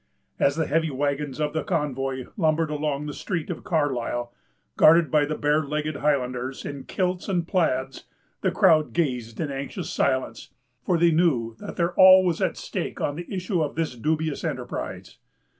As the heavy wagons of the convoy lumbered along the street of Carlisle, guarded by the bare legged Highlanders, in kilts and plaids, the crowd gazed in anxious silence; for they knew that their all was at stake on the issue of this dubious enterprise.